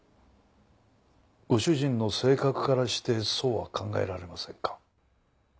ご主人の性格からしてそうは考えられませんか？